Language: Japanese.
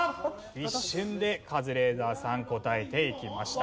一瞬でカズレーザーさん答えていきました。